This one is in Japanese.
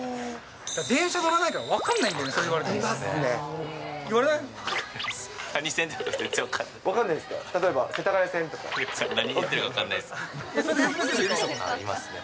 電車乗らないから分かんないんだよね、そう言われても。ありますね。